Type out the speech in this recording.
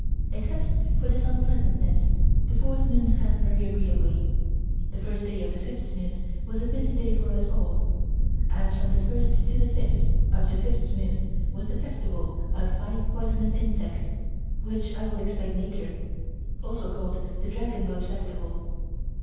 Except for this unpleasantness the fourth moon passed very agreeably. The first day of the fifth moon was a busy day for us all, as from the first to the fifth of the fifth moon was the festival of five poisonous insects, which I will explain later also called the Dragon Boat Festival.